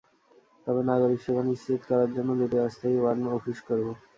তবে নাগরিক সেবা নিশ্চিত করার জন্য দুটি অস্থায়ী ওয়ার্ড অফিস করব।